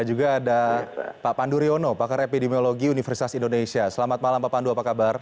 dan juga ada pak pandu riono pakar epidemiologi universitas indonesia selamat malam pak pandu apa kabar